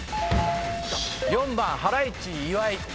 ４番ハライチ岩井。